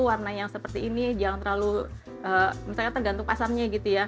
warna yang seperti ini jangan terlalu misalnya tergantung pasarnya gitu ya